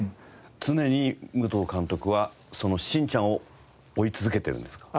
常にムトウ監督はしんちゃんを追い続けてるんですか？